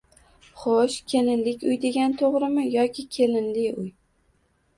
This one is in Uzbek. Xoʻsh, kelinlik uy degan toʻgʻrimi yoki kelinli uy